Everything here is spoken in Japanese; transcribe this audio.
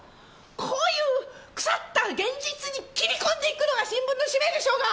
こういう腐った現実に切り込んでいくのが新聞の使命でしょうが！